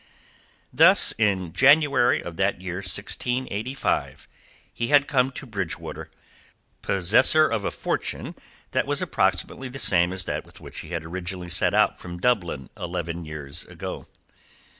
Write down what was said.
Thus in January of that year 1685 he had come to Bridgewater, possessor of a fortune that was approximately the same as that with which he had originally set out from Dublin eleven years ago.